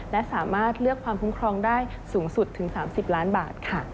และสามารถเลือกความคุ้มครองได้สูงสุดถึง๓๐ล้านบาทค่ะ